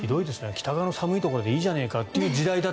北側の寒いところでいいじゃないかという。